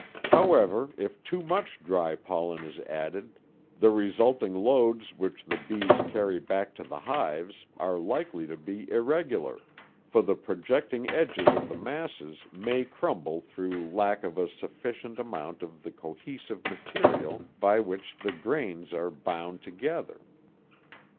However, if too much dry pollen is added the resulting loads which the bees carry back to the hives are likely to be irregular, for the projecting edges of the masses may crumble through lack of a sufficient amount of the cohesive material by which the grains are bound together.